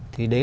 thì đấy là